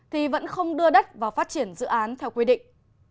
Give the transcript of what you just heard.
thì vẫn không đưa đất vào phát triển dự án theo quy định